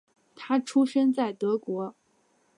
他出生在德国。